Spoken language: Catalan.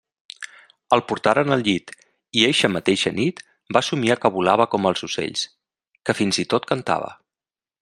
El portaren al llit i eixa mateixa nit va somniar que volava com els ocells, que fins i tot cantava.